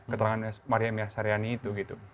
keterangan miriam s haryani itu